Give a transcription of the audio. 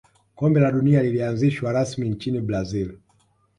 kombe la dunia lilianzishwa rasmi nchini brazil